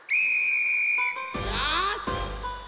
よし！